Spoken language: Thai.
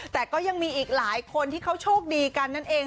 แต่ก็ยังมีอีกหลายคนที่เขาโชคดีกันนั่นเอง